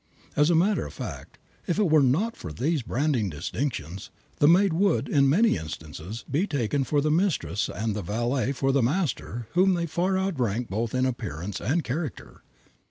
As a matter of fact, if it were not for these branding distinctions, the maid would, in many instances, be taken for the mistress and the valet for the master whom they far outrank both in appearance and character.